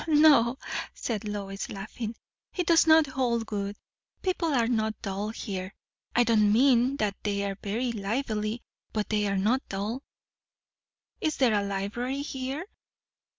"No," said Lois, laughing, "it does not hold good. People are not dull here. I don't mean that they are very lively; but they are not dull." "Is there a library here?"